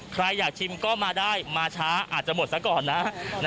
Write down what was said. ใครอยากชิมก็มาได้มาช้าอาจจะหมดซะก่อนนะ